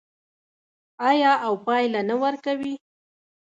آیا او پایله نه ورکوي؟